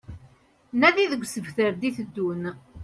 Nadi deg usebter d-iteddun